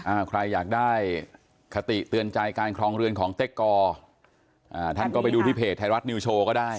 ใครอยากได้คติเตือนใจการครองเรือนของเต๊กกอ่าท่านก็ไปดูที่เพจไทยรัฐนิวโชว์ก็ได้